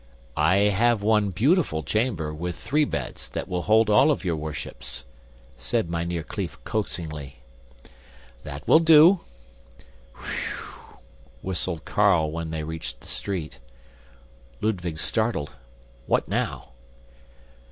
"I have one beautiful chamber, with three beds, that will hold all of your worships," said Mynheer Kleef coaxingly. "That will do." "Whew!" whistled Carl when they reached the street. Ludwig startled. "What now?"